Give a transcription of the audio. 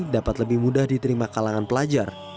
dapat lebih mudah diterima kalangan pelajar